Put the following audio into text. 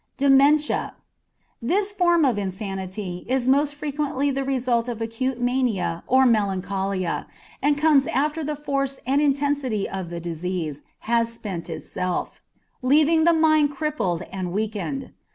Dementia. This form of insanity is most frequently the result of acute mania or melancholia, and comes after the force and intensity of the disease has spent itself, leaving the mind crippled and weakened.